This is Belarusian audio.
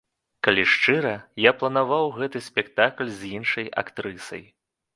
Калі шчыра, я планаваў гэты спектакль з іншай актрысай.